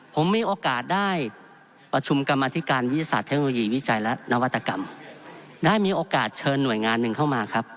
ผมมีโอกาสได้ประชุมกรรมธิการวิทยาศาสตร์เทคโนโลยีวิจัยและนวัตกรรมได้มีโอกาสเชิญหน่วยงานหนึ่งเข้ามาครับ